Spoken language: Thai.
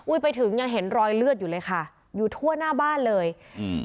ไปถึงยังเห็นรอยเลือดอยู่เลยค่ะอยู่ทั่วหน้าบ้านเลยอืม